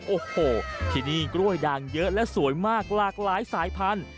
โอ้โหที่นี่กล้วยด่างเยอะและสวยมากหลากหลายสายพันธุ